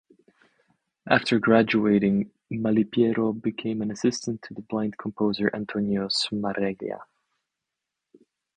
After graduating, Malipiero became an assistant to the blind composer Antonio Smareglia.